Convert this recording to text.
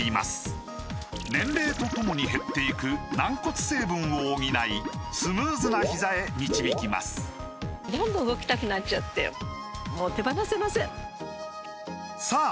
年齢とともに減っていく軟骨成分を補いスムーズなひざへ導きますさあ